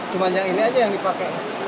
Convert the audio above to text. cuma yang ini aja yang dipakai